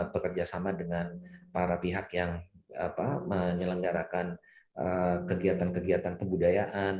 bekerjasama dengan para pihak yang menyelenggarakan kegiatan kegiatan kebudayaan